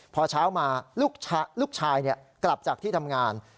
พอเช้ามาลูกชายกลับจากที่ทำงาน